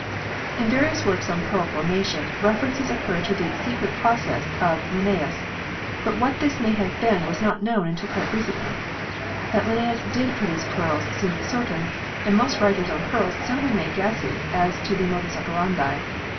In various works on pearl formation, references occur to the " secret process " of Linnaeus, but what this may have been was not known until quite re cently. That Linnaeus did produce pearls seemed certain, and most writers on pearls simply made guesses as to the modus operandi.